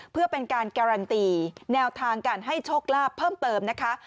เพื่อเป็นการการันตีแนวทางการให้โชคลาภเพิ่มเติมนะคะ